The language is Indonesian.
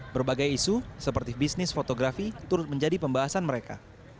berbagai isu seperti bisnis fotografi turut menjadi pembahasan mereka